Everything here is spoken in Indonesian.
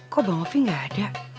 kok bang novi gak ada